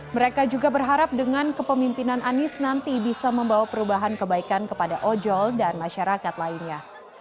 mereka juga berharap dengan kepemimpinan anies nanti bisa membawa perubahan kebaikan kepada ojol dan masyarakat lainnya